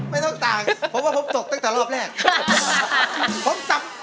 ไม่ต้องต่างผมว่าผมตกตั้งแต่รอบแรก